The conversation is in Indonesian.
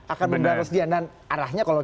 akan mendapatkan persediaan dan arahnya